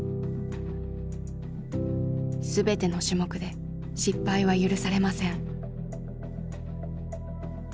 全ての種目で失敗は許されません。